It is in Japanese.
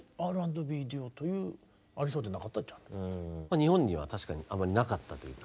日本には確かにあまりなかったというか。